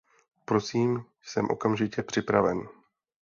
Prosím, jsem okamžitě připraven!